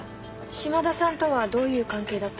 島田さんとはどういう関係だったの？